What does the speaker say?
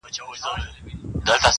اوښ په سر باري نه درنېږي.